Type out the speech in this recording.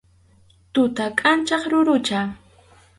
Tuta kʼanchaq kurucha.